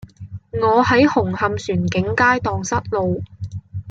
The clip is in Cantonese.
我喺紅磡船景街盪失路